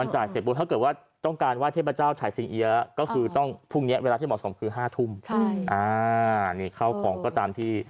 ถ้าต้องการว่าเทพเจ้า